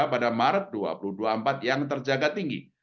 pada maret dua ribu dua puluh empat yang terjaga tinggi